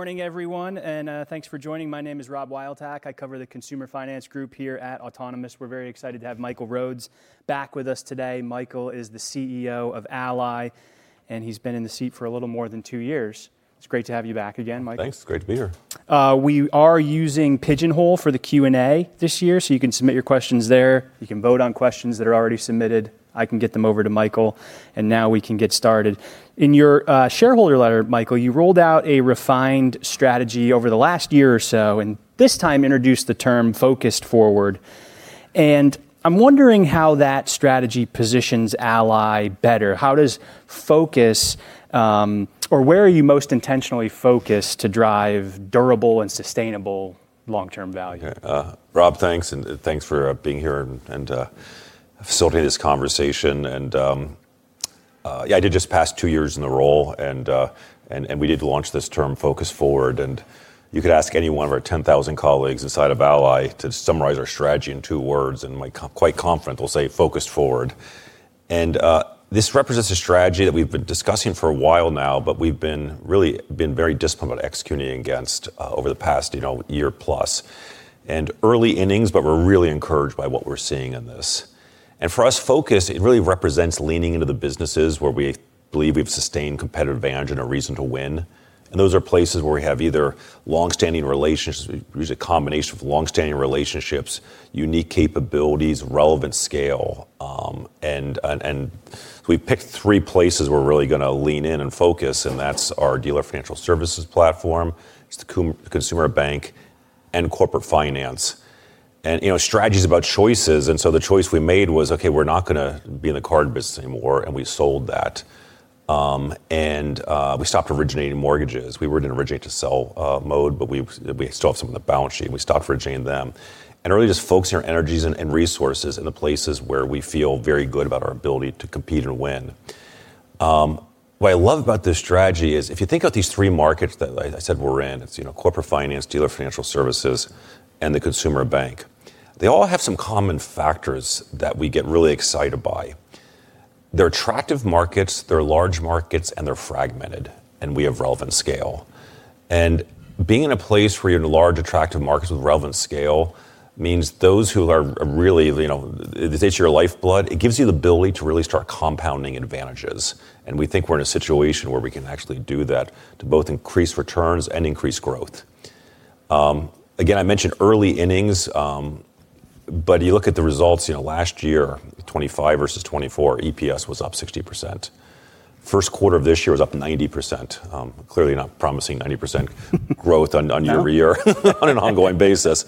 Morning, everyone, and thanks for joining. My name is Rob Wildhack. I cover the consumer finance group here at Autonomous Research. We're very excited to have Michael Rhodes back with us today. Michael is the CEO of Ally, and he's been in the seat for a little more than two years. It's great to have you back again, Michael. Thanks. Great to be here. We are using Pigeonhole for the Q&A this year, so you can submit your questions there. You can vote on questions that are already submitted. I can get them over to Michael. Now we can get started. In your shareholder letter, Michael, you rolled out a refined strategy over the last year or so. This time introduced the term "focused forward." I'm wondering how that strategy positions Ally better. Where are you most intentionally focused to drive durable and sustainable long-term value? Rob, thanks, and thanks for being here and facilitating this conversation. Yeah, I did just pass two years in the role and we did launch this term "focused forward." You could ask any one of our 10,000 colleagues inside of Ally to summarize our strategy in two words, and I'm quite confident they'll say, "Focused forward." This represents a strategy that we've been discussing for a while now, but we've been very disciplined about executing against over the past year plus. Early innings, but we're really encouraged by what we're seeing in this. For us, focus, it really represents leaning into the businesses where we believe we've sustained competitive advantage and a reason to win. Those are places where we have either longstanding relationships, usually a combination of longstanding relationships, unique capabilities, relevant scale. We picked three places we're really going to lean in and focus, and that's our Dealer Financial Services platform, it's the Consumer Bank, and Corporate Finance. Strategy's about choices, the choice we made was, okay, we're not going to be in the card business anymore, we sold that. We stopped originating mortgages. We were in originate to sell mode, but we still have some on the balance sheet, we stopped originating them. Really just focusing our energies and resources in the places where we feel very good about our ability to compete and win. What I love about this strategy is if you think about these three markets that I said we're in, it's Corporate Finance, Dealer Financial Services, and the Consumer Bank. They all have some common factors that we get really excited by. They're attractive markets, they're large markets, and they're fragmented, and we have relevant scale. Being in a place where you have large attractive markets with relevant scale means those who are really, it's your lifeblood, it gives you the ability to really start compounding advantages. We think we're in a situation where we can actually do that to both increase returns and increase growth. Again, I mentioned early innings, but you look at the results last year, 2025 versus 2024, EPS was up 60%. First quarter of this year was up 90%. Clearly not promising 90% growth- No -on year-over-year on an ongoing basis.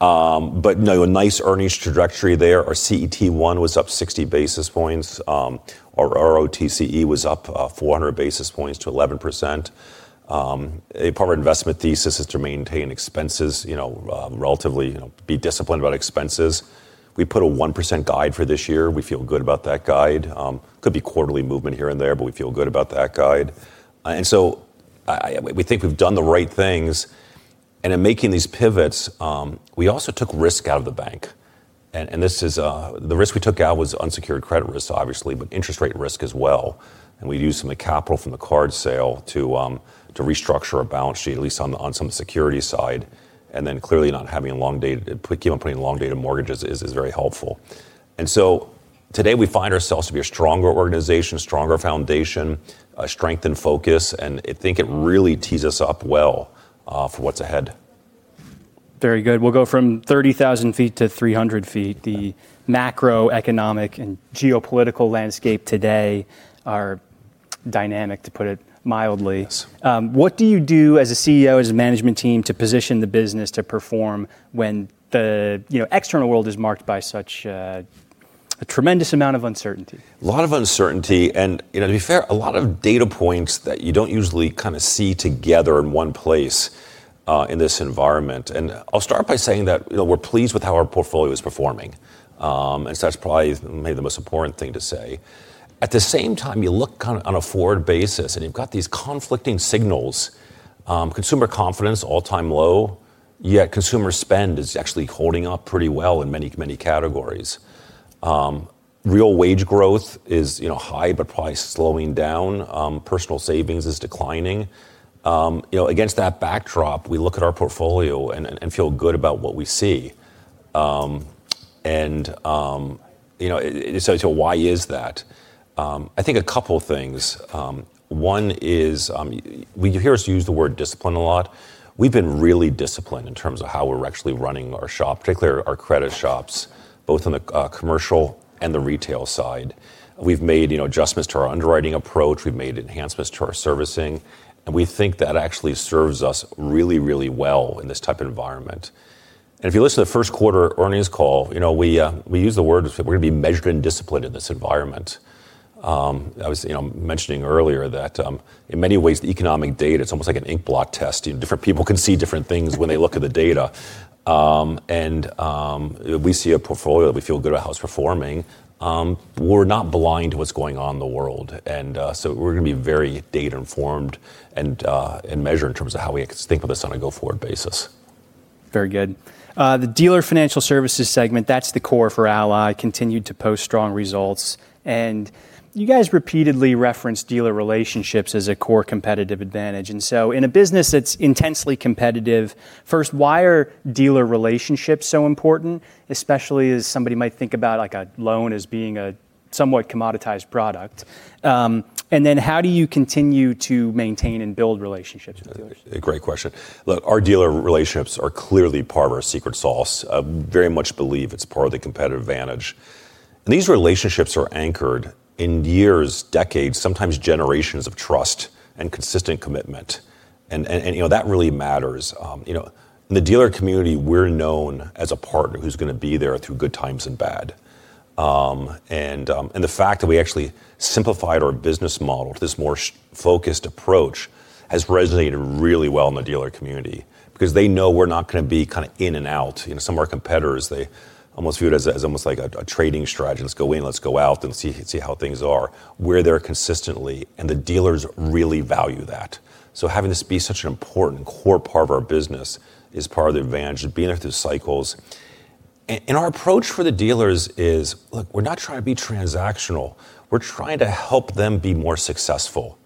No, a nice earnings trajectory there. Our CET1 was up 60 basis points. Our ROTCE was up 400 basis points to 11%. A part of our investment thesis is to maintain expenses, relatively be disciplined about expenses. We put a 1% guide for this year. We feel good about that guide. Could be quarterly movement here and there, we feel good about that guide. We think we've done the right things. In making these pivots, we also took risk out of the bank. The risk we took out was unsecured credit risk, obviously, but interest rate risk as well. We used some of the capital from the card sale to restructure our balance sheet, at least on some of the security side, and then clearly, not having long-dated, keep on putting long-dated mortgages is very helpful. Today we find ourselves to be a stronger organization, stronger foundation, a strengthened focus, and I think it really tees us up well for what's ahead. Very good. We'll go from 30,000 feet to 300 feet. The macroeconomic and geopolitical landscape today are dynamic, to put it mildly. Yes. What do you do as a CEO, as a management team, to position the business to perform when the external world is marked by such a tremendous amount of uncertainty? A lot of uncertainty and, to be fair, a lot of data points that you don't usually see together in one place, in this environment. I'll start by saying that we're pleased with how our portfolio is performing. That's probably maybe the most important thing to say. At the same time, you look on a forward basis, and you've got these conflicting signals. Consumer confidence, all-time low, yet consumer spend is actually holding up pretty well in many categories. Real wage growth is high, but probably slowing down. Personal savings is declining. Against that backdrop, we look at our portfolio and feel good about what we see. Why is that? I think a couple things. One is, you hear us use the word discipline a lot. We've been really disciplined in terms of how we're actually running our shop, particularly our credit shops, both on the commercial and the retail side. We've made adjustments to our underwriting approach. We've made enhancements to our servicing. We think that actually serves us really, really well in this type of environment. If you listen to the first quarter earnings call, we use the word, we're going to be measured and disciplined in this environment. I was mentioning earlier that in many ways, the economic data, it's almost like an ink blot test. Different people can see different things when they look at the data. We see a portfolio that we feel good about how it's performing. We're not blind to what's going on in the world. We're going to be very data informed and measure in terms of how we think of this on a go forward basis. Very good. The Dealer Financial Services segment, that's the core for Ally, continued to post strong results. You guys repeatedly referenced dealer relationships as a core competitive advantage. In a business that's intensely competitive, first, why are dealer relationships so important, especially as somebody might think about a loan as being a somewhat commoditized product? How do you continue to maintain and build relationships with dealers? A great question. Look, our dealer relationships are clearly part of our secret sauce. I very much believe it's part of the competitive advantage. These relationships are anchored in years, decades, sometimes generations of trust and consistent commitment. That really matters. In the dealer community, we're known as a partner who's going to be there through good times and bad. The fact that we actually simplified our business model to this more focused approach has resonated really well in the dealer community because they know we're not going to be in and out. Some of our competitors, they almost view it as almost like a trading strategy. "Let's go in, let's go out and see how things are." We're there consistently, and the dealers really value that. Having this be such an important core part of our business is part of the advantage of being there through cycles. Our approach for the dealers is, look, we're not trying to be transactional. We're trying to help them be more successful.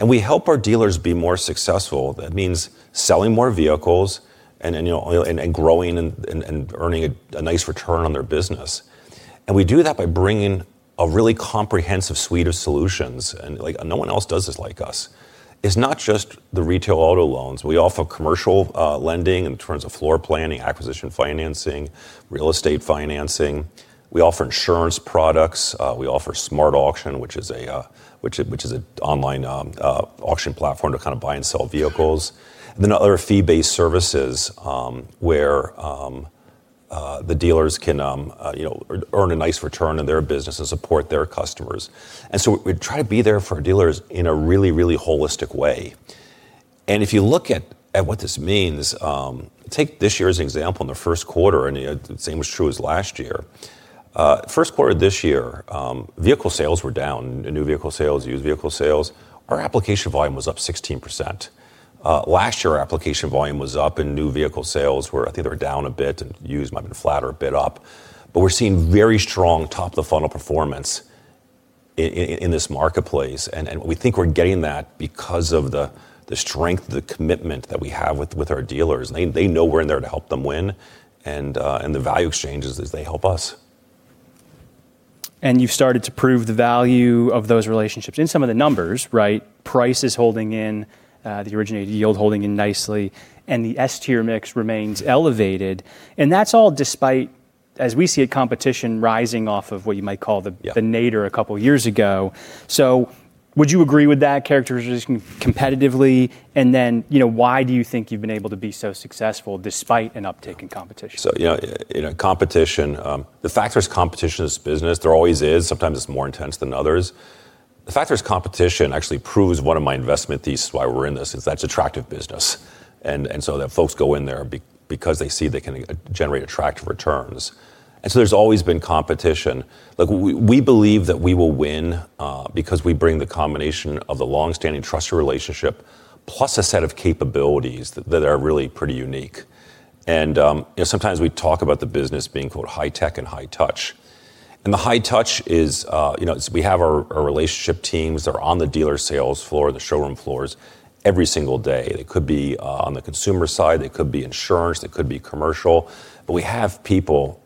We help our dealers be more successful. That means selling more vehicles and growing and earning a nice return on their business. We do that by bringing a really comprehensive suite of solutions, and no one else does this like us. It's not just the retail auto loans. We offer commercial lending in terms of floor planning, acquisition financing, real estate financing. We offer insurance products. We offer SmartAuction, which is an an online auction platform to buy and sell vehicles. Other fee-based services, where the dealers can earn a nice return on their business and support their customers. We try to be there for dealers in a really, really holistic way. If you look at what this means, take this year as an example. In the first quarter, and the same was true as last year. First quarter this year, vehicle sales were down, new vehicle sales, used vehicle sales. Our application volume was up 16%. Last year, our application volume was up and new vehicle sales were, I think they were down a bit, and used might've been flat or a bit up. We're seeing very strong top-of-the-funnel performance in this marketplace. We think we're getting that because of the strength, the commitment that we have with our dealers. They know we're in there to help them win, and the value exchange is they help us. You've started to prove the value of those relationships in some of the numbers, right? Price is holding in, the originated yield holding in nicely, and the S-tier mix remains elevated. That's all despite, as we see it, competition rising off of what you might call. Yeah nadir a couple of years ago. Would you agree with that characterization competitively? Why do you think you've been able to be so successful despite an uptick in competition? Competition, the fact there's competition is business, there always is. Sometimes it's more intense than others. The fact there's competition actually proves one of my investment theses why we're in this, is that's attractive business. That folks go in there because they see they can generate attractive returns. There's always been competition. Look, we believe that we will win because we bring the combination of the long-standing trusted relationship, plus a set of capabilities that are really pretty unique. Sometimes we talk about the business being called high tech and high touch. The high touch is we have our relationship teams that are on the dealer sales floor, the showroom floors every single day. They could be on the consumer side, they could be insurance, they could be commercial. We have people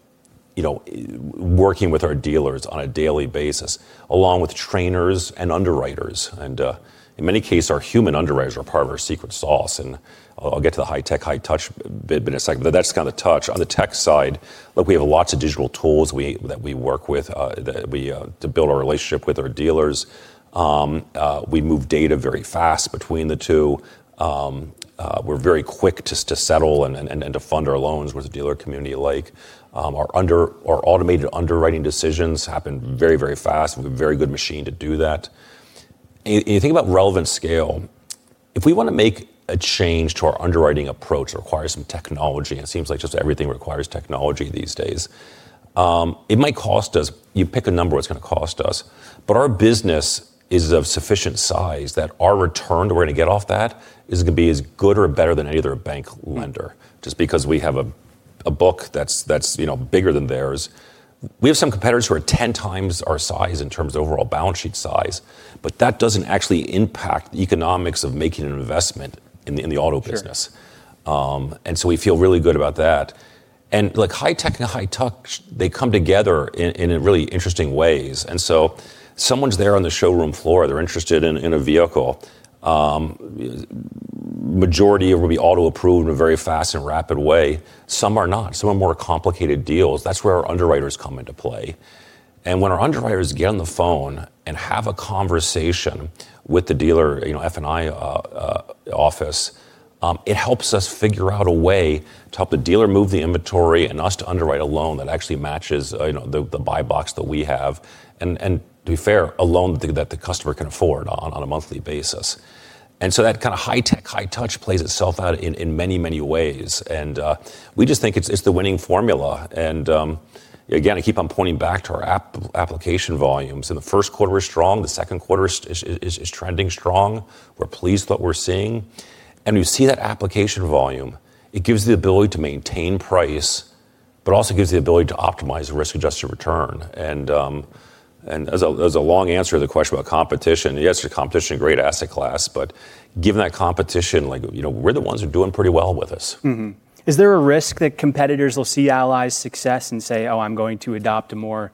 working with our dealers on a daily basis, along with trainers and underwriters. In many cases, our human underwriters are part of our secret sauce. I'll get to the high tech, high touch bit in a second. That's kind of the touch. On the tech side, look, we have lots of digital tools that we work with to build our relationship with our dealers. We move data very fast between the two. We're very quick to settle and to fund our loans, which the dealer community like. Our automated underwriting decisions happen very, very fast. We have a very good machine to do that. You think about relevant scale, if we want to make a change to our underwriting approach, it requires some technology, and it seems like just everything requires technology these days. It might cost us, you pick a number what it's going to cost us, but our business is of sufficient size that our return that we're going to get off that is going to be as good or better than any other bank lender, just because we have a book that's bigger than theirs. We have some competitors who are 10 times our size in terms of overall balance sheet size, but that doesn't actually impact the economics of making an investment in the auto business. Sure. We feel really good about that. High tech and high touch, they come together in really interesting ways. Someone's there on the showroom floor, they're interested in a vehicle. Majority will be auto approved in a very fast and rapid way. Some are not. Some are more complicated deals. That's where our underwriters come into play. When our underwriters get on the phone and have a conversation with the dealer, F&I office, it helps us figure out a way to help the dealer move the inventory and us to underwrite a loan that actually matches the buy box that we have. To be fair, a loan that the customer can afford on a monthly basis. That kind of high tech, high touch plays itself out in many, many ways. We just think it's the winning formula. Again, I keep on pointing back to our application volumes. In the first quarter, we're strong. The second quarter is trending strong. We're pleased with what we're seeing. We see that application volume, it gives the ability to maintain price, but also gives the ability to optimize the risk-adjusted return. As a long answer to the question about competition, yes, there's competition, a great asset class, but given that competition, we're the ones who are doing pretty well with this. Mm-hmm. Is there a risk that competitors will see Ally's success and say, "Oh, I'm going to adopt a more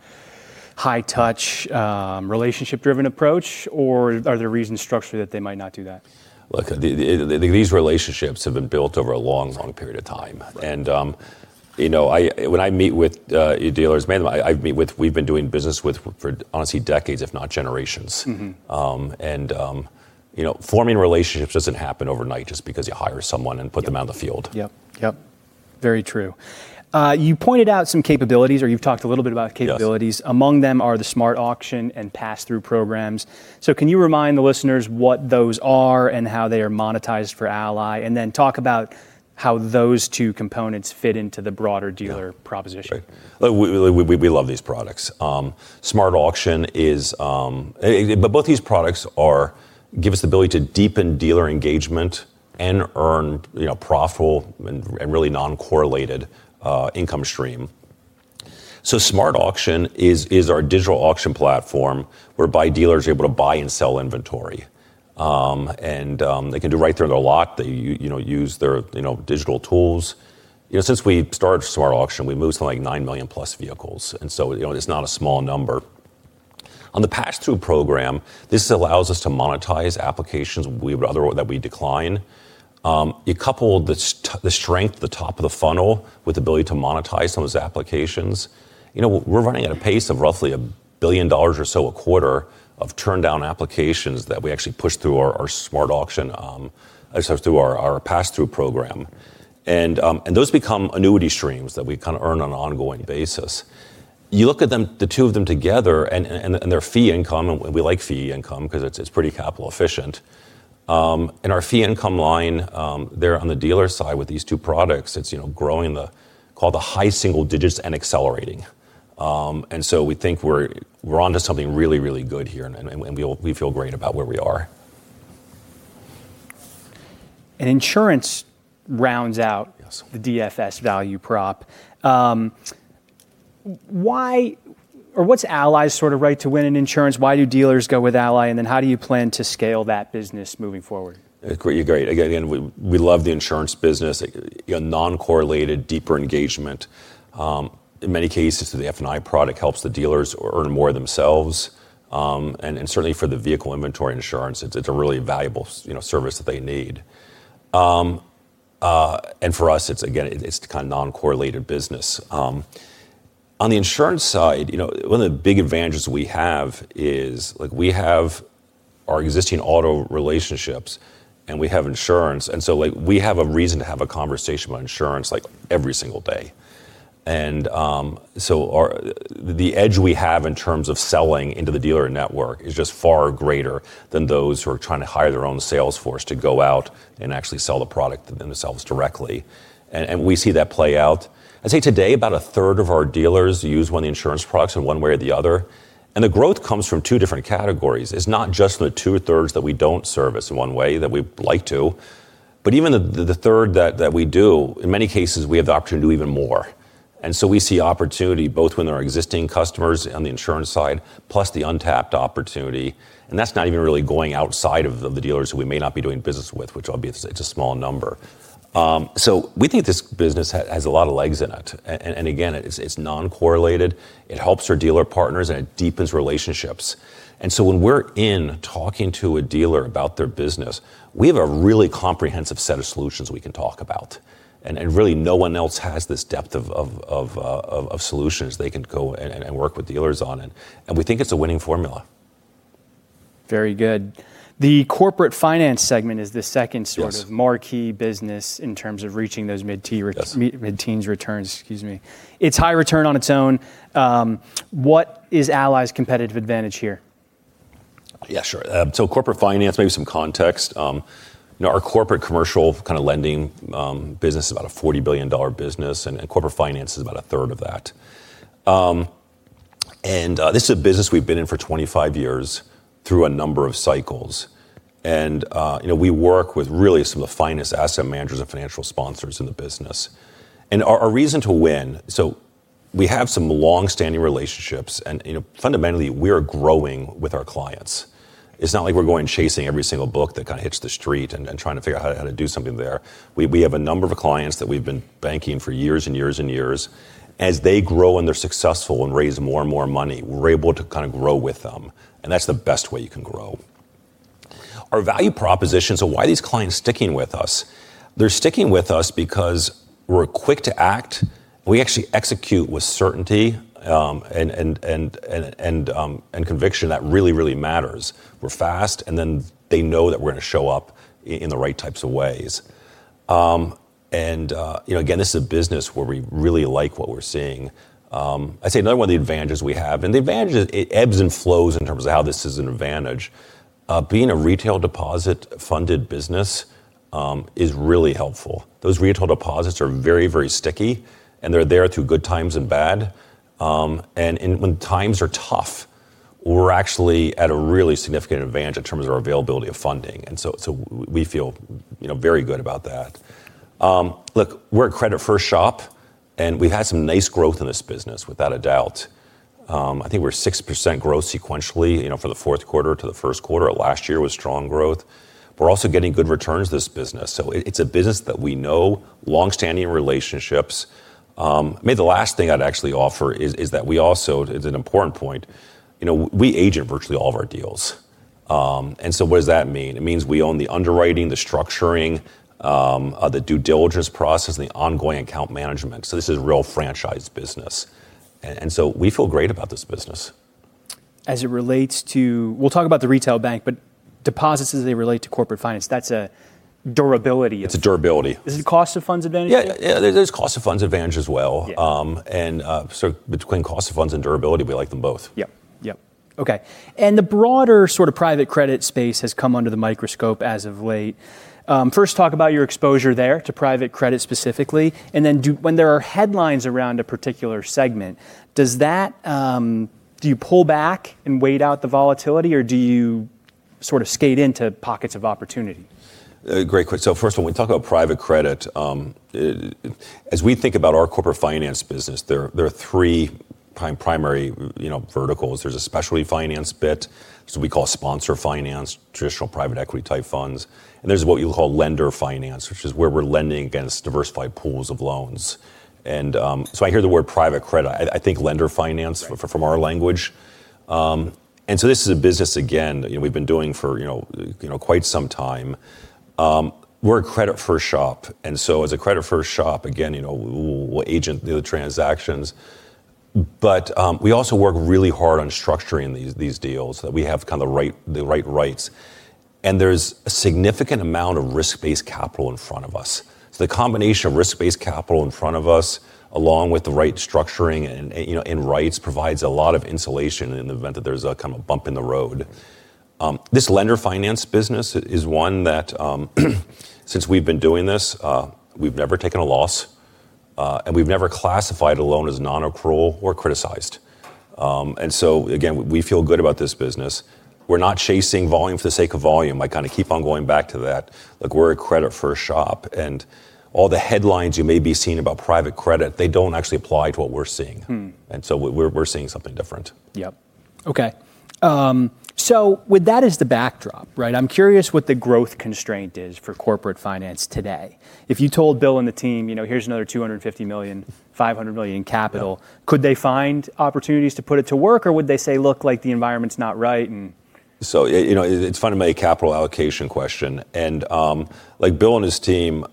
high touch, relationship-driven approach?" Or are there reasons structurally that they might not do that? Look, these relationships have been built over a long period of time. Right. When I meet with dealers, man, we've been doing business with for honestly decades, if not generations. Forming relationships doesn't happen overnight just because you hire someone and put them out in the field. Yep. Very true. You pointed out some capabilities, or you've talked a little bit about capabilities. Yes. Among them are the SmartAuction and pass-through programs. Can you remind the listeners what those are and how they are monetized for Ally? Talk about how those two components fit into the broader dealer proposition. Right. We love these products. Both these products give us the ability to deepen dealer engagement and earn profitable, and really non-correlated income stream. SmartAuction is our digital auction platform, whereby dealers are able to buy and sell inventory. They can do it right there on their lot. They use their digital tools. Since we started SmartAuction, we moved something like 9 million plus vehicles, it's not a small number. On the pass-through program, this allows us to monetize applications that we decline. You couple the strength at the top of the funnel with the ability to monetize some of those applications. We're running at a pace of roughly $1 billion or so a quarter of turned down applications that we actually push through our SmartAuction, actually through our pass-through program. Those become annuity streams that we kind of earn on an ongoing basis. You look at the two of them together and their fee income, and we like fee income because it's pretty capital efficient. Our fee income line there on the dealer side with these two products, it's growing called the high single digits and accelerating. We think we're onto something really good here, and we feel great about where we are. Insurance rounds out. Yes The DFS value prop. What's Ally's right to win in insurance? Why do dealers go with Ally? How do you plan to scale that business moving forward? Great. Again, we love the insurance business. Again, non-correlated, deeper engagement. In many cases, the F&I product helps the dealers earn more themselves. Certainly for the vehicle inventory insurance, it's a really valuable service that they need. For us, again, it's kind of non-correlated business. On the insurance side, one of the big advantages we have is we have our existing auto relationships, and we have insurance. We have a reason to have a conversation about insurance every single day. The edge we have in terms of selling into the dealer network is just far greater than those who are trying to hire their own sales force to go out and actually sell the product themselves directly. We see that play out. I'd say today, about a third of our dealers use one of the insurance products in one way or the other. The growth comes from two different categories. It's not just in the 2/3 that we don't service in one way that we'd like to. Even the third that we do, in many cases, we have the opportunity to do even more. We see opportunity both with our existing customers on the insurance side, plus the untapped opportunity. That's not even really going outside of the dealers who we may not be doing business with, which obviously it's a small number. We think this business has a lot of legs in it. Again, it's non-correlated. It helps our dealer partners, and it deepens relationships. When we're in talking to a dealer about their business, we have a really comprehensive set of solutions we can talk about. Really, no one else has this depth of solutions they can go and work with dealers on. We think it's a winning formula. Very good. The Corporate Finance segment is the second sort of- Yes -marquee business in terms of reaching those mid-. Yes -mid-teens returns. Excuse me. It's high return on its own. What is Ally's competitive advantage here? Corporate Finance, maybe some context. Our corporate commercial kind of lending business is about a $40 billion business, and Corporate Finance is about a third of that. This is a business we've been in for 25 years through a number of cycles. We work with really some of the finest asset managers and financial sponsors in the business. Our reason to win, so we have some longstanding relationships, and fundamentally we are growing with our clients. It's not like we're going chasing every single book that kind of hits the street and trying to figure out how to do something there. We have a number of clients that we've been banking for years and years. As they grow and they're successful and raise more and more money, we're able to kind of grow with them, and that's the best way you can grow. Our value proposition, why are these clients sticking with us? They're sticking with us because we're quick to act. We actually execute with certainty, and conviction that really matters. We're fast, they know that we're going to show up in the right types of ways. Again, this is a business where we really like what we're seeing. I'd say another one of the advantages we have, and it ebbs and flows in terms of how this is an advantage. Being a retail deposit funded business is really helpful. Those retail deposits are very sticky, and they're there through good times and bad. When times are tough. We're actually at a really significant advantage in terms of our availability of funding. We feel very good about that. Look, we're a credit-first shop, and we've had some nice growth in this business, without a doubt. I think we're 6% growth sequentially, from the fourth quarter to the first quarter of last year was strong growth. We're also getting good returns this business. It's a business that we know, longstanding relationships. Maybe the last thing I'd actually offer is that we also, it's an important point, we age in virtually all of our deals. What does that mean? It means we own the underwriting, the structuring, the due diligence process, and the ongoing account management. This is real franchise business. We feel great about this business. We'll talk about the retail bank, but deposits as they relate to Corporate Finance, that's a durability. It's a durability. Is it cost of funds advantage? Yeah. There's cost of funds advantage as well. Yeah. Between cost of funds and durability, we like them both. Yep. Okay. The broader private credit space has come under the microscope as of late. First talk about your exposure there to private credit specifically, then when there are headlines around a particular segment, do you pull back and wait out the volatility, or do you skate into pockets of opportunity? Great. First of all, when we talk about private credit, as we think about our Corporate Finance business, there are three primary verticals. There's a Specialty Finance bit, so we call Sponsor Finance, traditional private equity type funds, and there's what you call Lender Finance, which is where we're lending against diversified pools of loans. I hear the word private credit, I think Lender Finance- Right -from our language. This is a business, again, that we've been doing for quite some time. We're a credit-first shop, as a credit-first shop, again, we'll agent the transactions. We also work really hard on structuring these deals, that we have the right rights. There's a significant amount of risk-based capital in front of us. The combination of risk-based capital in front of us, along with the right structuring and rights, provides a lot of insulation in the event that there's a bump in the road. This lender finance business is one that, since we've been doing this, we've never taken a loss, and we've never classified a loan as non-accrual or criticized. Again, we feel good about this business. We're not chasing volume for the sake of volume. I keep on going back to that. Look, we're a credit-first shop, and all the headlines you may be seeing about private credit, they don't actually apply to what we're seeing. We're seeing something different. Yep. Okay. With that as the backdrop, I'm curious what the growth constraint is for Corporate Finance today. If you told Bill and the team, "Here's another $250 million, $500 million in capital," could they find opportunities to put it to work, or would they say, "Look, the environment's not right, and"? It's fundamentally a capital allocation question. Bill and his team,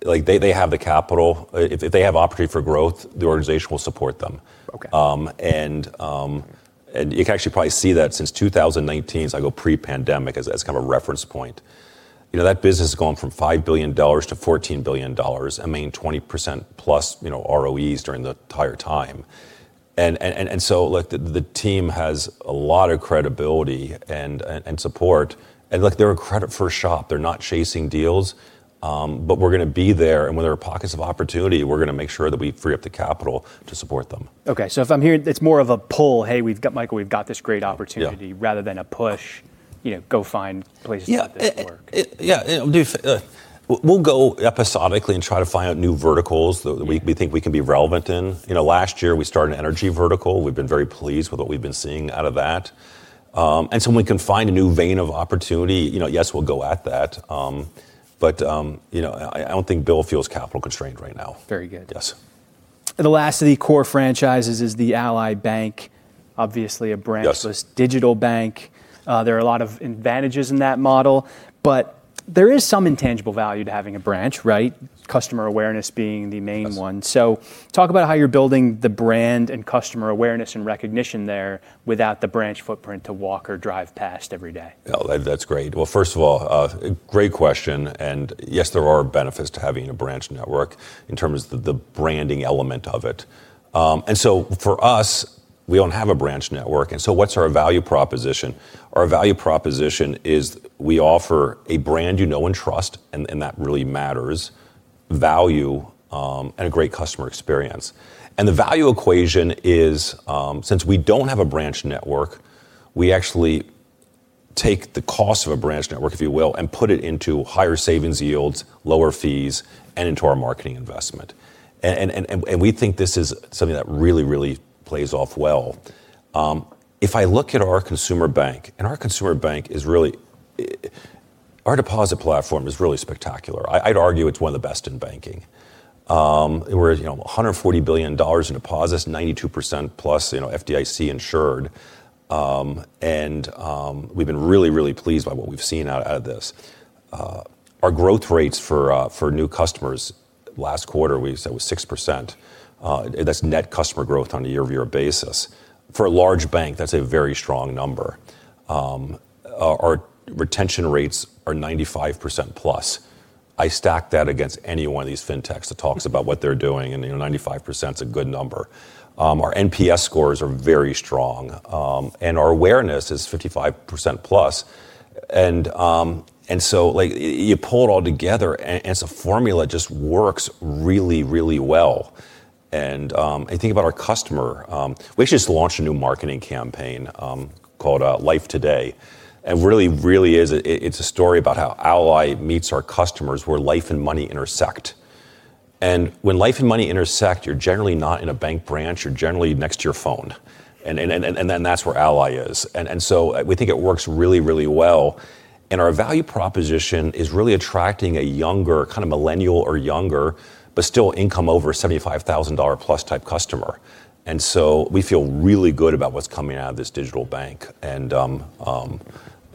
they have the capital. If they have opportunity for growth, the organization will support them. Okay. You can actually probably see that since 2019, so I go pre-pandemic as a reference point. That business has gone from $5 billion to $14 billion and made 20%+ ROEs during the entire time. Look, the team has a lot of credibility and support, and look, they're a credit-first shop. They're not chasing deals. We're going to be there, and when there are pockets of opportunity, we're going to make sure that we free up the capital to support them. Okay, if I'm hearing, it's more of a pull, "Hey, Michael, we've got this great opportunity." Yeah. Rather than a push, "Go find places to put this work." Yeah. We'll go episodically and try to find out new verticals that we think we can be relevant in. Last year, we started an energy vertical. We've been very pleased with what we've been seeing out of that. When we can find a new vein of opportunity, yes, we'll go at that. I don't think Bill feels capital constrained right now. Very good. Yes. The last of the core franchises is the Ally Bank, obviously a branchless- Yes -digital bank. There are a lot of advantages in that model. There is some intangible value to having a branch, right? Customer awareness being the main one. Yes. Talk about how you're building the brand and customer awareness and recognition there without the branch footprint to walk or drive past every day. Oh, that's great. Well, first of all, great question, and yes, there are benefits to having a branch network in terms of the branding element of it. For us, we don't have a branch network, and so what's our value proposition? Our value proposition is we offer a brand you know and trust, and that really matters, value, and a great customer experience. The value equation is, since we don't have a branch network, we actually take the cost of a branch network, if you will, and put it into higher savings yields, lower fees, and into our marketing investment. We think this is something that really plays off well. If I look at our consumer bank, our deposit platform is really spectacular. I'd argue it's one of the best in banking. We're at $140 billion in deposits, 92%+ FDIC insured. We've been really, really pleased by what we've seen out of this. Our growth rates for new customers last quarter, we said was 6%. That's net customer growth on a year-over-year basis. For a large bank, that's a very strong number. Our retention rates are 95%+. I stack that against any one of these fintechs that talks about what they're doing, 95%'s a good number. Our NPS scores are very strong. Our awareness is 55%+. You pull it all together, and as a formula, it just works really, really well. I think about our customer. We actually just launched a new marketing campaign called Life Today. It really, really is, it's a story about how Ally meets our customers, where life and money intersect. When life and money intersect, you're generally not in a bank branch, you're generally next to your phone. Then that's where Ally is. So we think it works really, really well. Our value proposition is really attracting a younger, kind of millennial or younger, but still income over $75,000+ type customer. So we feel really good about what's coming out of this digital bank.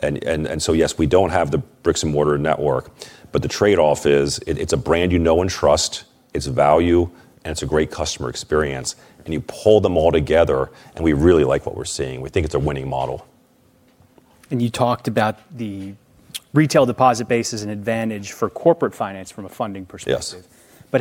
Yes, we don't have the bricks-and-mortar network, but the trade-off is, it's a brand you know and trust, it's value, and it's a great customer experience. You pull them all together, and we really like what we're seeing. We think it's a winning model. You talked about the retail deposit base as an advantage for Corporate Finance from a funding perspective.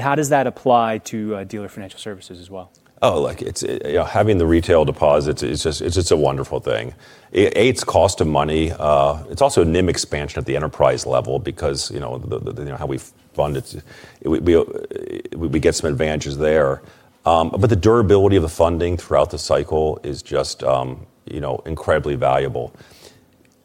Yes. How does that apply to Dealer Financial Services as well? Look, having the retail deposits, it's just a wonderful thing. It's cost of money. It's also NIM expansion at the enterprise level because of how we fund it. We get some advantages there. The durability of the funding throughout the cycle is just incredibly valuable.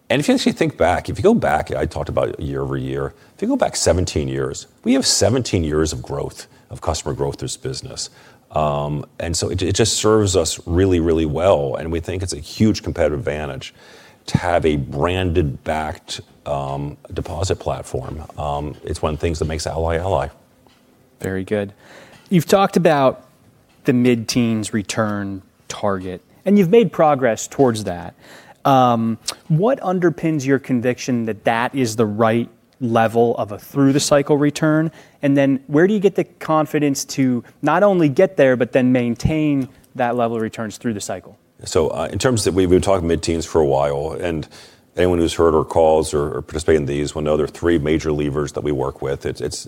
If you actually think back, if you go back, I talked about year-over-year, if you go back 17 years, we have 17 years of growth, of customer growth through this business. It just serves us really, really well, and we think it's a huge competitive advantage to have a branded backed deposit platform. It's one of the things that makes Ally. Very good. You've talked about the mid-teens return target, you've made progress towards that. What underpins your conviction that that is the right level of a through the cycle return? Where do you get the confidence to not only get there, but then maintain that level of returns through the cycle? In terms of, we've been talking mid-teens for a while, and anyone who's heard our calls or participated in these will know there are three major levers that we work with. It's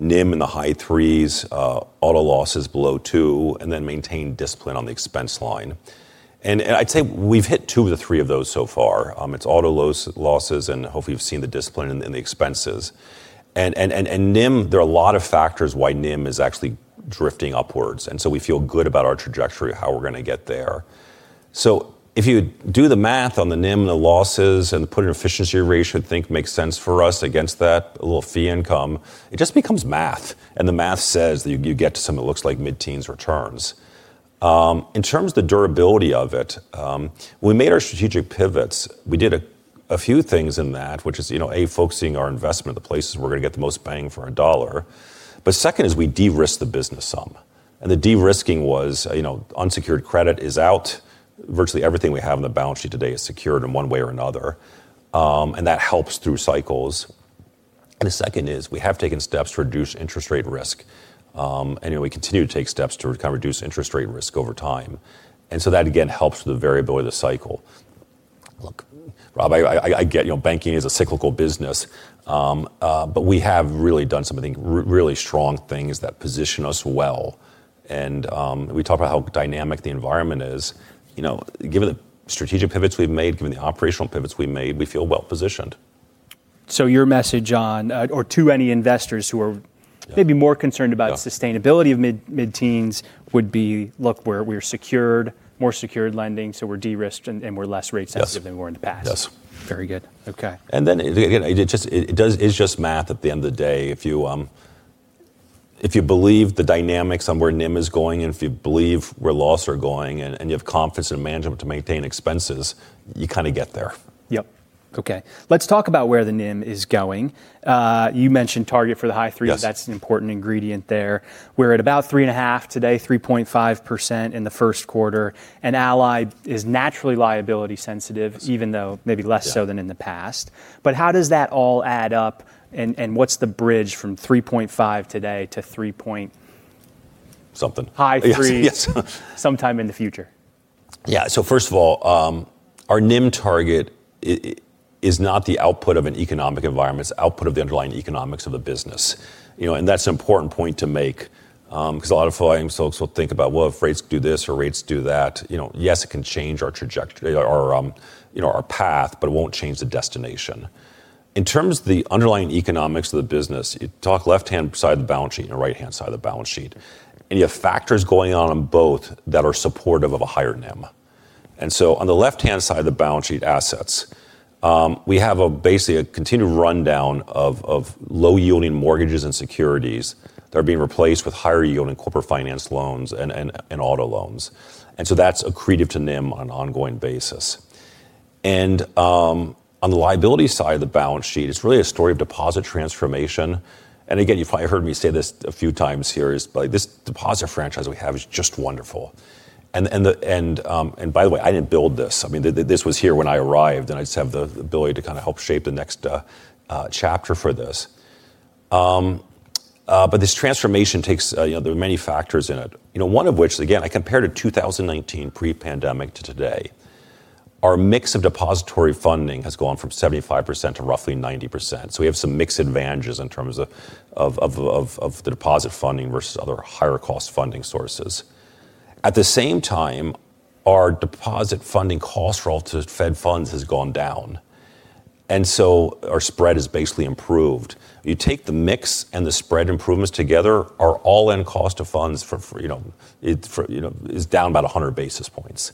NIM in the high three's, auto losses below two, and then maintain discipline on the expense line. I'd say we've hit two of the three of those so far. It's auto losses, and hopefully you've seen the discipline in the expenses. NIM, there are a lot of factors why NIM is actually drifting upwards, and so we feel good about our trajectory of how we're going to get there. If you do the math on the NIM and the losses and put an efficiency ratio you think makes sense for us against that, a little fee income, it just becomes math. The math says that you get to something that looks like mid-teens returns. In terms of the durability of it, we made our strategic pivots. We did a few things in that, which is, A, focusing our investment in the places we're going to get the most bang for our dollar. Second is we de-risked the business some. The de-risking was unsecured credit is out. Virtually everything we have on the balance sheet today is secured in one way or another. That helps through cycles. The second is we have taken steps to reduce interest rate risk. We continue to take steps to reduce interest rate risk over time. So that, again, helps with the variability of the cycle. Look, Rob, I get banking is a cyclical business. We have really done some, I think, really strong things that position us well. We talk about how dynamic the environment is. Given the strategic pivots we've made, given the operational pivots we've made, we feel well positioned. Your message on, or to any investors who are maybe more concerned about sustainability of mid-teens would be, look, we're more secured lending, so we're de-risked and we're less rate sensitive than we were in the past. Yes. Very good. Okay. Again, it's just math at the end of the day. If you believe the dynamics on where NIM is going, and if you believe where losses are going, and you have confidence in management to maintain expenses, you kind of get there. Yep. Okay. Let's talk about where the NIM is going. You mentioned target for the high threes. Yes. That's an important ingredient there. We're at about three and a half today, 3.5% in the first quarter. Ally is naturally liability sensitive, even though maybe less so than in the past. How does that all add up and what's the bridge from 3.5 today? Something High threes. Yes. Sometime in the future? Yeah. First of all, our NIM target is not the output of an economic environment, it's the output of the underlying economics of the business. That's an important point to make, because a lot of folks will think about, well, if rates do this or rates do that. Yes, it can change our path, but it won't change the destination. In terms of the underlying economics of the business, you talk left-hand side of the balance sheet and the right-hand side of the balance sheet, and you have factors going on both that are supportive of a higher NIM. On the left-hand side of the balance sheet, assets, we have basically a continued rundown of low yielding mortgages and securities that are being replaced with higher yielding Corporate Finance loans and auto loans. That's accretive to NIM on an ongoing basis. On the liability side of the balance sheet, it's really a story of deposit transformation. Again, you've probably heard me say this a few times here, is this deposit franchise we have is just wonderful. By the way, I didn't build this. I mean, this was here when I arrived, and I just have the ability to help shape the next chapter for this. This transformation, there are many factors in it. One of which, again, I compare to 2019 pre-pandemic to today. Our mix of depository funding has gone from 75% to roughly 90%. We have some mix advantages in terms of the deposit funding versus other higher cost funding sources. At the same time. Our deposit funding cost relative to Fed funds has gone down. Our spread has basically improved. You take the mix and the spread improvements together, our all-in cost of funds is down about 100 basis points,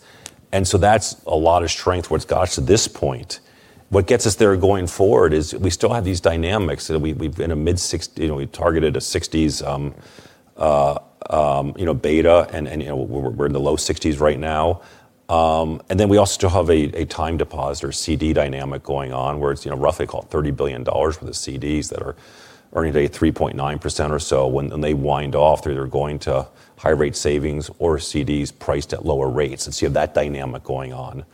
that's a lot of strength what it's got to this point. What gets us there going forward is we still have these dynamics that we've targeted a 60s beta, we're in the low 60s right now. We also still have a time deposit or CD dynamic going on, where it's roughly call it $30 billion for the CDs that are earning today 3.9% or so. When they wind off, they're either going to high rate savings or CDs priced at lower rates, you have that dynamic going on.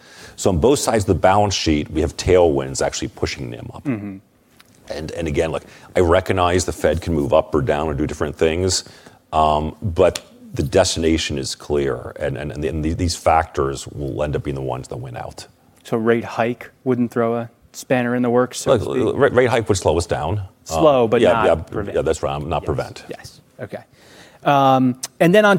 On both sides of the balance sheet, we have tailwinds actually pushing them up. Again, look, I recognize the Fed can move up or down or do different things, but the destination is clear, and these factors will end up being the ones that win out. Rate hike wouldn't throw a spanner in the works. Rate hike would slow us down. Slow, but not prevent. Yeah, that's right. Not prevent. Yes. Okay. Then on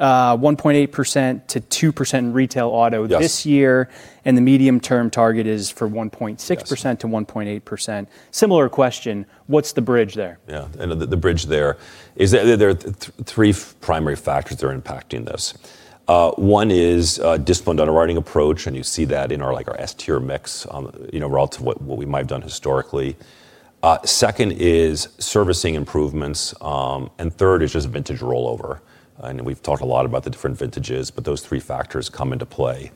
charge-offs, 1.8%-2% retail auto- Yes -this year, the medium-term target is for 1.6%-1.8%. Similar question, what's the bridge there? Yeah. The bridge there is that there are three primary factors that are impacting this. One is disciplined underwriting approach, and you see that in our S-tier mix relative to what we might have done historically. Second is servicing improvements. Third is just vintage rollover. I know we've talked a lot about the different vintages, but those three factors come into play.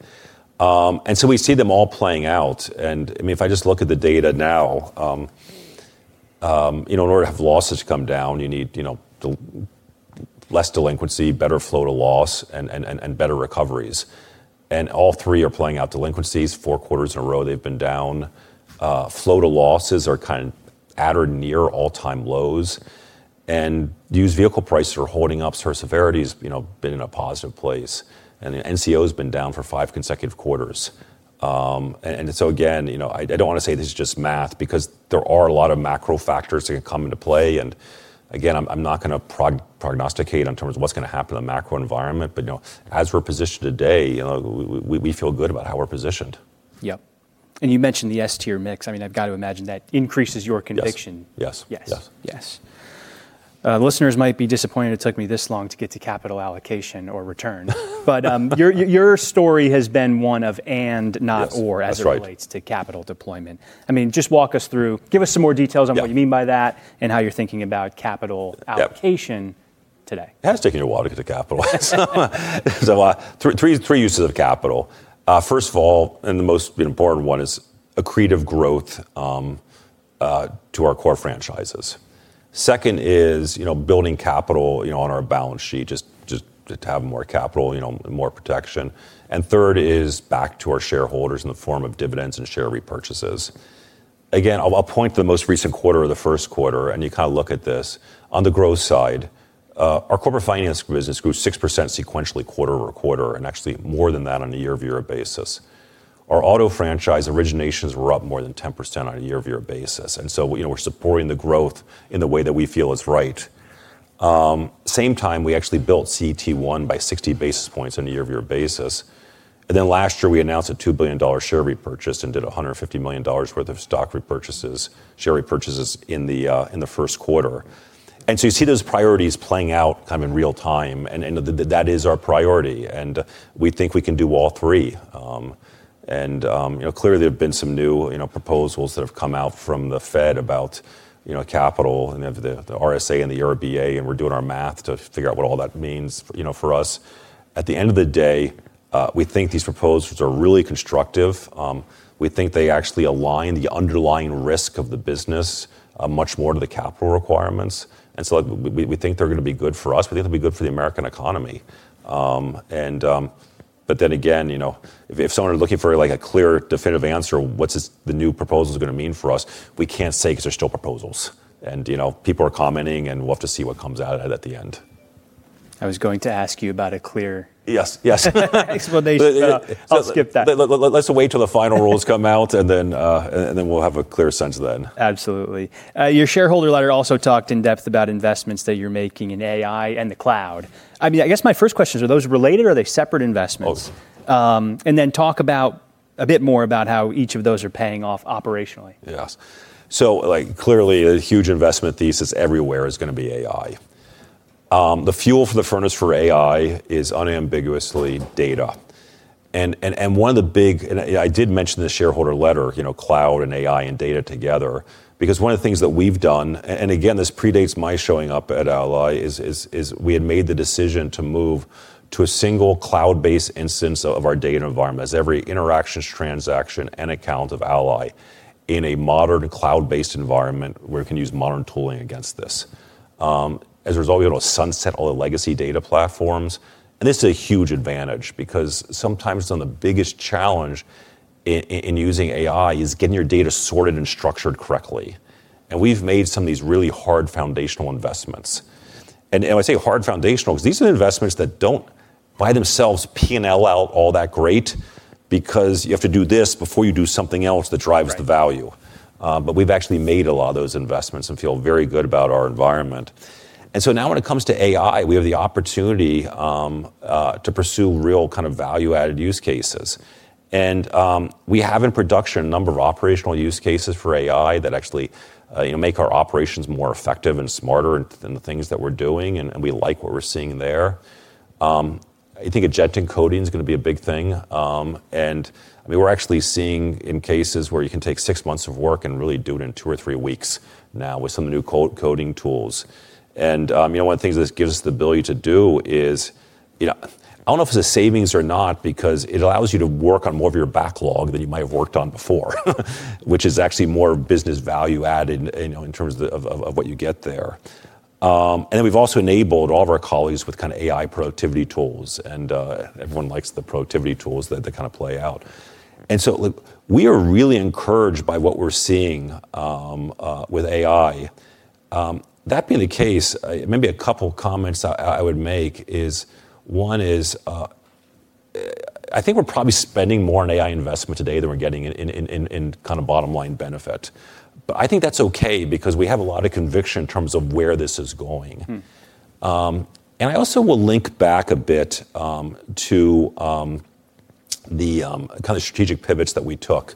We see them all playing out, and if I just look at the data now, in order to have losses come down, you need less delinquency, better flow to loss, and better recoveries. All three are playing out. Delinquencies, four quarters in a row, they've been down. Flow to losses are at or near all-time lows. Used vehicle prices are holding up, so our severity's been in a positive place. NCO has been down for five consecutive quarters. Again, I don't want to say this is just math because there are a lot of macro factors that can come into play, and again, I'm not going to prognosticate on terms of what's going to happen in the macro environment, but as we're positioned today, we feel good about how we're positioned. Yep. You mentioned the S-tier mix. I've got to imagine that increases your conviction. Yes. Yes. Yes. Yes. Listeners might be disappointed it took me this long to get to capital allocation or return. Your story has been one of and, not or. Yes, that's right. As it relates to capital deployment. Just walk us through, give us some more details on what you mean by that, and how you're thinking about capital allocation today. It has taken a while to get to capital. There's a lot. Three uses of capital. First of all, and the most important one is accretive growth to our core franchises. Second is building capital on our balance sheet, just to have more capital, more protection. Third is back to our shareholders in the form of dividends and share repurchases. Again, I'll point to the most recent quarter, the first quarter, and you look at this. On the growth side, our Corporate Finance business grew 6% sequentially quarter-over-quarter, and actually more than that on a year-over-year basis. Our auto franchise originations were up more than 10% on a year-over-year basis. We're supporting the growth in the way that we feel is right. Same time, we actually built CET1 by 60 basis points on a year-over-year basis. Last year, we announced a $2 billion share repurchase and did $150 million worth of stock repurchases, share repurchases in the first quarter. You see those priorities playing out in real time, and that is our priority, and we think we can do all three. Clearly, there have been some new proposals that have come out from the Fed about capital and the RWA and the ERBA, and we're doing our math to figure out what all that means for us. At the end of the day, we think these proposals are really constructive. We think they actually align the underlying risk of the business much more to the capital requirements, we think they're going to be good for us. We think they'll be good for the American economy. If someone were looking for a clear, definitive answer, what the new proposals are going to mean for us, we can't say because they're still proposals. People are commenting, and we'll have to see what comes out at the end. I was going to ask you about a clear- Yes. -explanation, but I'll skip that. Let's wait till the final rules come out, and then we'll have a clear sense then. Absolutely. Your shareholder letter also talked in depth about investments that you're making in AI and the cloud. I guess my first question is, are those related, or are they separate investments? Both. Talk a bit more about how each of those are paying off operationally. Yes. Clearly, a huge investment thesis everywhere is going to be AI. The fuel for the furnace for AI is unambiguously data. I did mention the shareholder letter, cloud and AI and data together, because one of the things that we've done, and again, this predates my showing up at Ally, is we had made the decision to move to a single cloud-based instance of our data environment. That's every interactions, transaction, and account of Ally in a modern cloud-based environment where we can use modern tooling against this. As a result, we sunset all the legacy data platforms, and this is a huge advantage because sometimes some of the biggest challenge in using AI is getting your data sorted and structured correctly, and we've made some of these really hard foundational investments. I say hard foundational because these are investments that don't by themselves P&L out all that great. You have to do this before you do something else that drives the value. Right. We've actually made a lot of those investments and feel very good about our environment. Now when it comes to AI, we have the opportunity to pursue real value-added use cases. We have in production a number of operational use cases for AI that actually make our operations more effective and smarter in the things that we're doing, and we like what we're seeing there. I think agentic coding is going to be a big thing. We're actually seeing in cases where you can take six months of work and really do it in two or three weeks now with some of the new coding tools. One of the things this gives us the ability to do is, I don't know if it's a savings or not, because it allows you to work on more of your backlog than you might have worked on before which is actually more business value added in terms of what you get there. Then we've also enabled all of our colleagues with AI productivity tools, and everyone likes the productivity tools that play out. Look, we are really encouraged by what we're seeing with AI. That being the case, maybe a couple comments I would make is, one is, I think we're probably spending more on AI investment today than we're getting in bottom line benefit. I think that's okay because we have a lot of conviction in terms of where this is going. I also will link back a bit to the strategic pivots that we took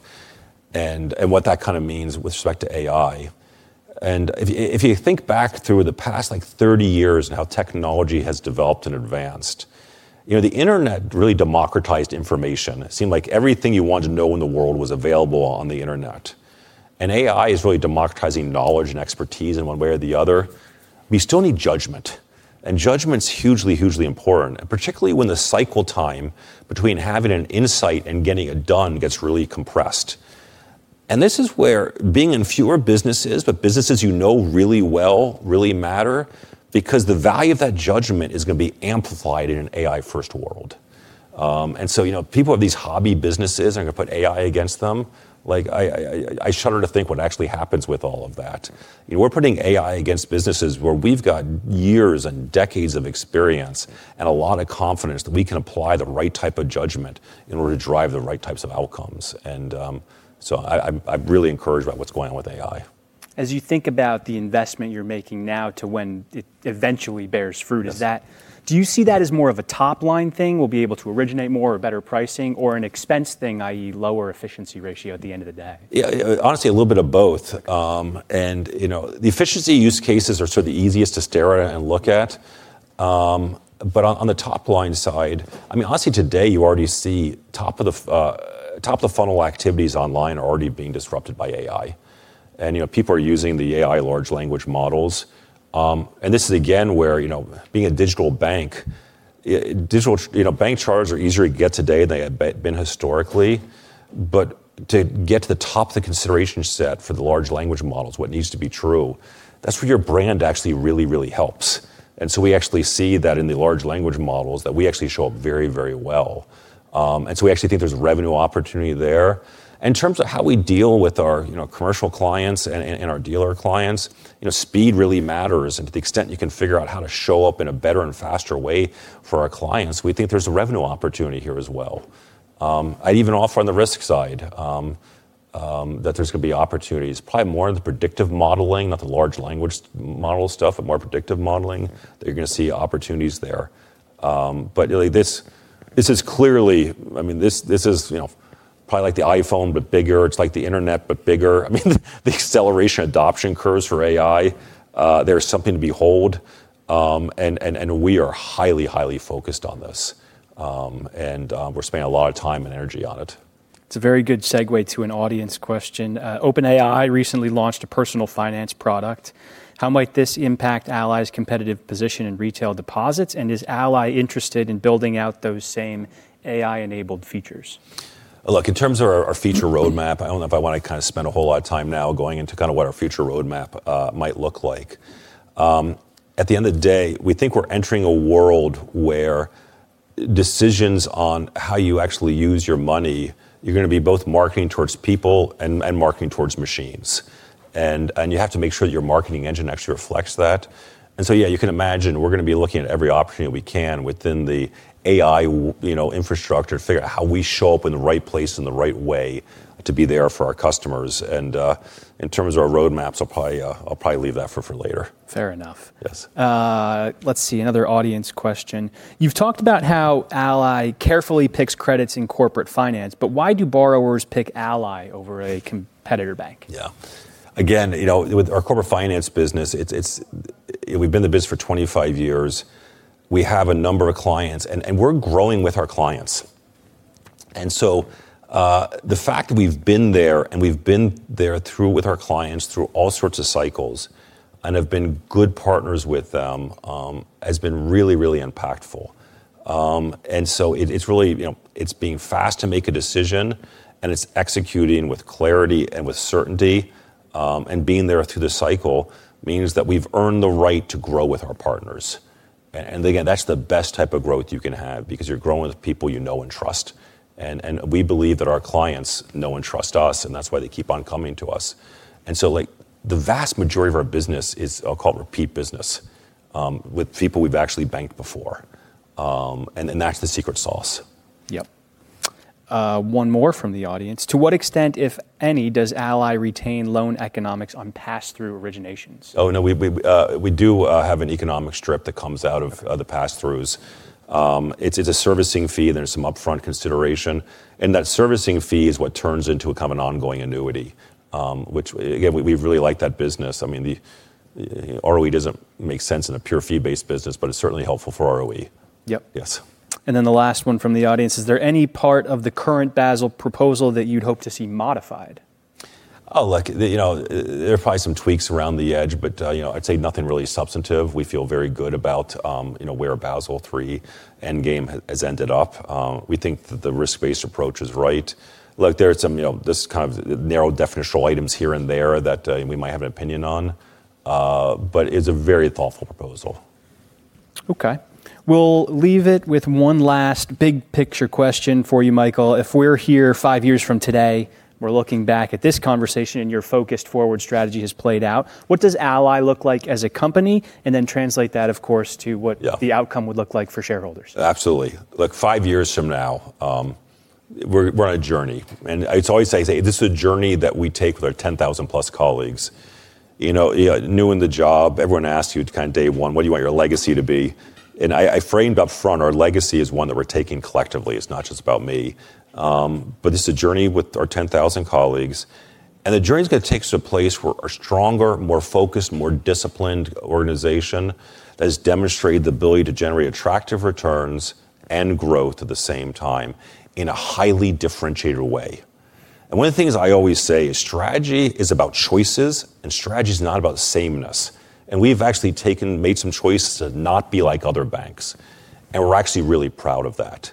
and what that means with respect to AI. If you think back through the past 30 years and how technology has developed and advanced, the internet really democratized information. It seemed like everything you wanted to know in the world was available on the internet. AI is really democratizing knowledge and expertise in one way or the other. We still need judgment, and judgment's hugely important. Particularly when the cycle time between having an insight and getting it done gets really compressed. This is where being in fewer businesses, but businesses you know really well, really matter because the value of that judgment is going to be amplified in an AI-first world. People have these hobby businesses, they're going to put AI against them. I shudder to think what actually happens with all of that. We're putting AI against businesses where we've got years and decades of experience and a lot of confidence that we can apply the right type of judgment in order to drive the right types of outcomes. I'm really encouraged about what's going on with AI. As you think about the investment you're making now to when it eventually bears fruit. Yes Do you see that as more of a top-line thing, we'll be able to originate more or better pricing, or an expense thing, i.e., lower efficiency ratio at the end of the day? Yeah. Honestly, a little bit of both. The efficiency use cases are sort of the easiest to stare at and look at. On the top-line side, honestly today, you already see top-of-funnel activities online are already being disrupted by AI. People are using the AI large language models. This is again, where being a digital bank charters are easier to get today than they have been historically. To get to the top of the consideration set for the large language models, what needs to be true, that's where your brand actually really helps. We actually see that in the large language models that we actually show up very well. We actually think there's revenue opportunity there. In terms of how we deal with our commercial clients and our dealer clients, speed really matters. To the extent you can figure out how to show up in a better and faster way for our clients, we think there's a revenue opportunity here as well. I'd even offer on the risk side, that there's going to be opportunities, probably more in the predictive modeling, not the large language model stuff, but more predictive modeling, that you're going to see opportunities there. This is probably like the iPhone, but bigger. It's like the internet, but bigger. The acceleration adoption curves for AI, they're something to behold. We are highly focused on this. We're spending a lot of time and energy on it. It's a very good segue to an audience question. OpenAI recently launched a personal finance product. How might this impact Ally's competitive position in retail deposits, and is Ally interested in building out those same AI-enabled features? Look, in terms of our feature roadmap, I don't know if I want to spend a whole lot of time now going into what our future roadmap might look like. At the end of the day, we think we're entering a world where decisions on how you actually use your money, you're going to be both marketing towards people and marketing towards machines. You have to make sure that your marketing engine actually reflects that. Yeah, you can imagine we're going to be looking at every opportunity we can within the AI infrastructure to figure out how we show up in the right place in the right way to be there for our customers. In terms of our roadmaps, I'll probably leave that for later. Fair enough. Yes. Let's see, another audience question. You've talked about how Ally carefully picks credits in Corporate Finance, why do borrowers pick Ally over a competitor bank? Yeah. Again, with our Corporate Finance business, we've been in the business for 25 years. We have a number of clients. We're growing with our clients. The fact that we've been there and we've been there with our clients through all sorts of cycles and have been good partners with them, has been really impactful. It's being fast to make a decision and it's executing with clarity and with certainty, and being there through the cycle means that we've earned the right to grow with our partners. Again, that's the best type of growth you can have because you're growing with people you know and trust. We believe that our clients know and trust us, and that's why they keep on coming to us. The vast majority of our business is, I'll call, repeat business, with people we've actually banked before. That's the secret sauce. Yep. One more from the audience. To what extent, if any, does Ally retain loan economics on pass-through originations? Oh, no, we do have an economic strip that comes out of the pass-through. It's a servicing fee. There's some upfront consideration, and that servicing fee is what turns into a kind of an ongoing annuity, which again, we've really liked that business. ROE doesn't make sense in a pure fee-based business, but it's certainly helpful for ROE. Yep. Yes. The last one from the audience. Is there any part of the current Basel proposal that you'd hope to see modified? There are probably some tweaks around the edge, I'd say nothing really substantive. We feel very good about where Basel III endgame has ended up. We think that the risk-based approach is right. There's some kind of narrow definitional items here and there that we might have an opinion on. It's a very thoughtful proposal. Okay. We'll leave it with one last big picture question for you, Michael. If we're here five years from today, we're looking back at this conversation, and your focused forward strategy has played out, what does Ally look like as a company? Then translate that, of course, to what- Yeah -the outcome would look like for shareholders. Absolutely. Look, five years from now, we're on a journey, it's always say, this is a journey that we take with our 10,000 plus colleagues. New in the job, everyone asks you kind of day one, what do you want your legacy to be? I framed up front our legacy is one that we're taking collectively. It's not just about me. This is a journey with our 10,000 colleagues, the journey's going to take us to a place where we're stronger, more focused, more disciplined organization that has demonstrated the ability to generate attractive returns and growth at the same time in a highly differentiated way. One of the things I always say is strategy is about choices and strategy is not about sameness. We've actually made some choices to not be like other banks, and we're actually really proud of that.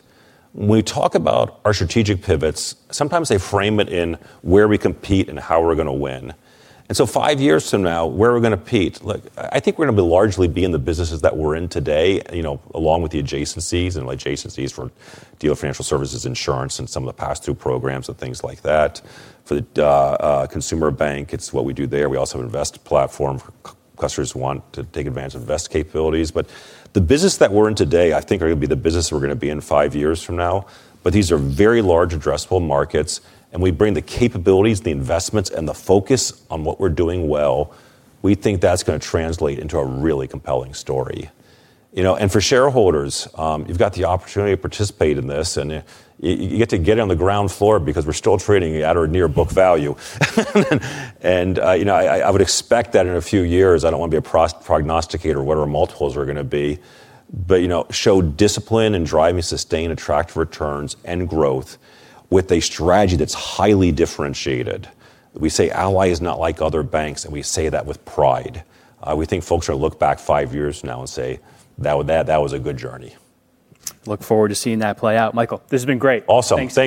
When we talk about our strategic pivots, sometimes they frame it in where we compete and how we're going to win. Five years from now, where are we going to compete? Look, I think we're going to largely be in the businesses that we're in today, along with the adjacencies and adjacencie s for Dealer Financial Services, insurance, and some of the pass-through programs and things like that. For the consumer bank, it's what we do there. We also have invest platform for customers who want to take advantage of invest capabilities. The business that we're in today, I think are going to be the business we're going to be in 5 years from now. These are very large addressable markets, and we bring the capabilities, the investments, and the focus on what we're doing well. We think that's going to translate into a really compelling story. For shareholders, you've got the opportunity to participate in this, and you get to get in on the ground floor because we're still trading at or near book value. I would expect that in a few years, I don't want to be a prognosticator of what our multiples are going to be, but show discipline and driving sustained, attractive returns and growth with a strategy that's highly differentiated. We say Ally is not like other banks, and we say that with pride. We think folks are going to look back five years from now and say, "That was a good journey." Look forward to seeing that play out. Michael, this has been great. Awesome. Thank you.